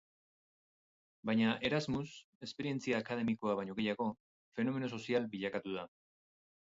Baina Erasmus, esperientzia akademikoa baino gehiago, fenomeno sozial bilakatu da.